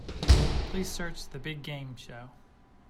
Please search The Big Game show.